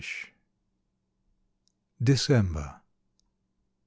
237 DECEMBER.